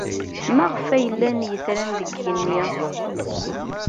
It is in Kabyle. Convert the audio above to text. Maɣef ay llan yetran deg yigenni?